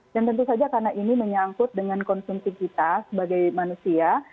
dan tentu saja karena ini menyangkut dengan konsumsi kita sebagai manusia